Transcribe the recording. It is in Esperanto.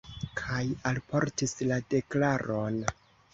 Kaj alportis la deklaron.